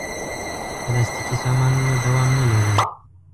پلاستيکي سامانونه دوام نه لري.